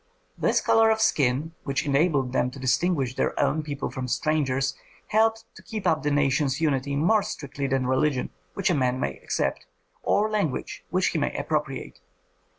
This color of skin, which enabled them to distinguish their own people from strangers, helped to keep up the nation's unity more strictly than religion, which a man may accept, or language, which he may appropriate.